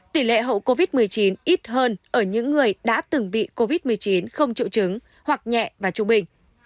tỷ lệ hậu covid một mươi chín ít hơn ở những người đã từng bị covid một mươi chín không triệu chứng hoặc nhẹ và trung bình